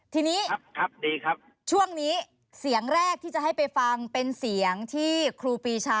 ทีนี้ครับดีครับช่วงนี้เสียงแรกที่จะให้ไปฟังเป็นเสียงที่ครูปีชา